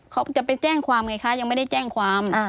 เขาจะไปแจ้งความไงคะยังไม่ได้แจ้งความ